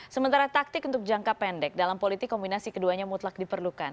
sementara taktik untuk jangka pendek dalam politik kombinasi keduanya mutlak diperlukan